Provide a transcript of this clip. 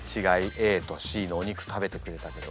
ＡとＣのお肉食べてくれたけど。